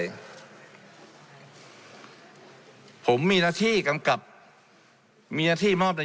และมีผลกระทบไปทุกสาขาอาชีพชาติ